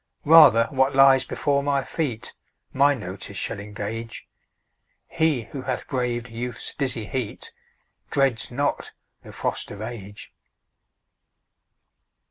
Rather what lies before my feet My notice shall engage He who hath braved Youth's dizzy heat Dreads not the frost of Age.